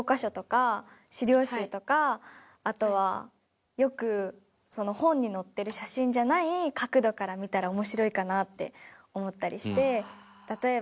あとはよく本に載ってる写真じゃない角度から見たら面白いかなって思ったりして。